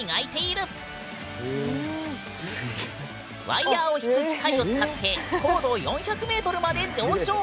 ワイヤーを引く機械を使って高度４００ｍまで上昇！